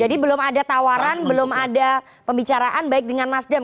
jadi belum ada tawaran belum ada pembicaraan baik dengan nasdem